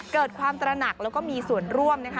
เกิดความตระหนักแล้วก็มีส่วนร่วมนะคะ